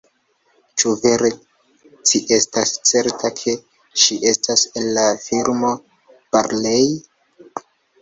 Ĉu vere ci estas certa, ke ŝi estas el la firmo Barlei?